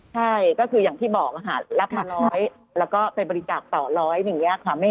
ใช่ก็คืออย่างที่บอกค่ะรับมาร้อยแล้วก็ไปบริจาคต่อร้อยอย่างนี้ค่ะ